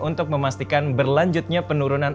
untuk memastikan berlanjutnya penurunan